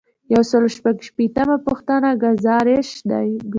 یو سل او شپږ شپیتمه پوښتنه ګزارش دی.